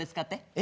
え？